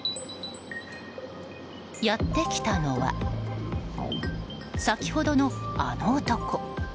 やってきたのは、先ほどのあの男。